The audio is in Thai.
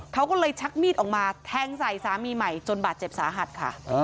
เขาก็เลยชักมีดออกมาแทงใส่สามีใหม่จนบาดเจ็บสาหัสค่ะ